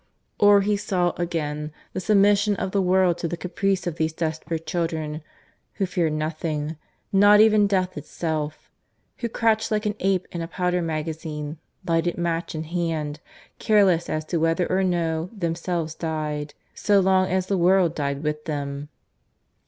Or he saw, again, the submission of the world to the caprice of these desperate children who feared nothing not even death itself who crouched like an ape in a powder magazine, lighted match in hand, careless as to whether or no themselves died so long as the world died with them.